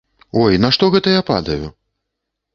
Ой, на што гэта я падаю?